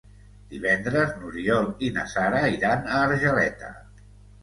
Divendres n'Oriol i na Sara iran a Argeleta.